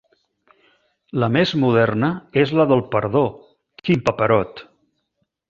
La més moderna és la del Perdó, quin paperot!